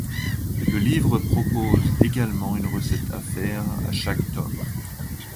Le livre propose également une recette à faire à chaque tome.